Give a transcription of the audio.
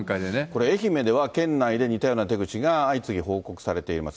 これ、愛媛では県内で似たような手口が相次ぎ報告されています。